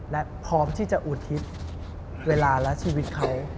และพร้อมที่จะอุทิศเวลาและชีวิตเขา